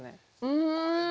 うん。